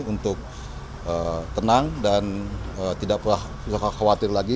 untuk tenang dan tidak pernah khawatir lagi